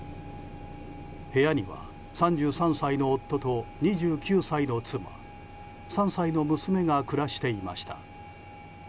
部屋には３３歳の夫と２９歳の妻３歳の娘が暮らしていました。